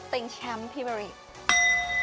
ติงแชมป์พี่บาริก